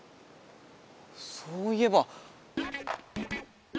そういえば。